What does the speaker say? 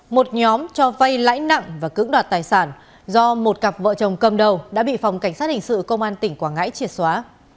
một nhóm cho vay lãi nặng và cưỡng đoạt tài sản do một cặp vợ chồng cầm đầu đã bị phòng cảnh sát hình sự công an tỉnh quảng ngãi triệt xóa